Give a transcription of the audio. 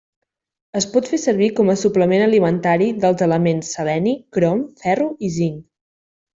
Es pot fer servir com a suplement alimentari dels elements seleni, crom, ferro i zinc.